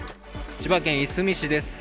千葉県いすみ市です。